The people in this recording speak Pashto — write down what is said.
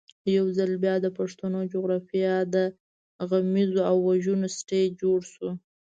یو ځل بیا د پښتنو جغرافیه د غمیزو او وژنو سټېج جوړ شو.